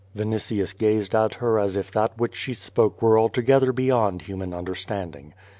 Vinitius gazed at her as if that which she spoke were alto gether beyond human understanding.